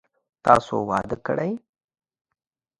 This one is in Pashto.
تاسو واده کړئ ؟